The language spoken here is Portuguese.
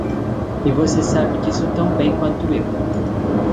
E você sabe disso tão bem quanto eu.